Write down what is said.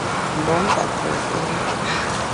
Mgbom pèt pokéri.